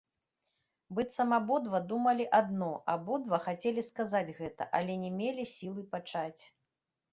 Быццам абодва думалі адно, абодва хацелі сказаць гэта, але не мелі сілы пачаць.